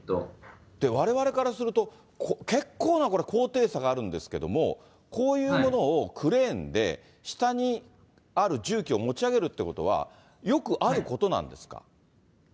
われわれからすると、結構なこれ、高低差があるんですけれども、こういうものをクレーンで下にある重機を持ち上げるということは、よくあることなんですか？